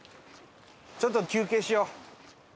ちょっと休憩しよう。